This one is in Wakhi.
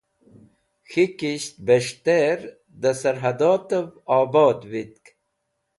K̃hikisht Bes̃hter de Sarhadotev Obod Vitk